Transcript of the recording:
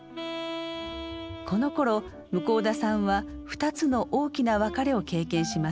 このころ向田さんは２つの大きな別れを経験します。